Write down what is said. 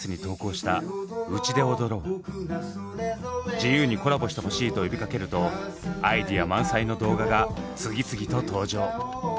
自由にコラボしてほしいと呼びかけるとアイデア満載の動画が次々と登場。